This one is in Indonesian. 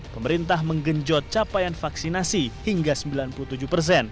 pemerintah menggenjot capaian vaksinasi hingga sembilan puluh tujuh persen